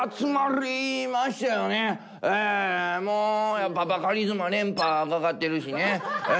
もうやっぱバカリズムは連覇かかってるしね。